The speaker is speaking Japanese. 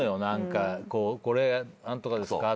これ何とかですかとか。